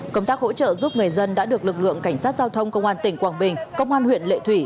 công tác hỗ trợ giúp người dân đã được lực lượng cảnh sát giao thông công an tỉnh quảng bình công an huyện lệ thủy